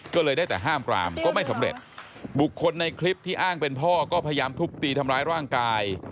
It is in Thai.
ก็เลยได้แต่ห้ามปรามก็ไม่สำเร็จบุคคลในคลิปที่อ้างเป็นพ่อก็พยายามทุบตีทำร้ายร่างกาย